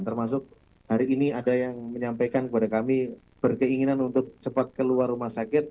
termasuk hari ini ada yang menyampaikan kepada kami berkeinginan untuk cepat keluar rumah sakit